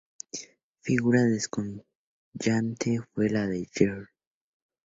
Figura descollante fue la de Fr.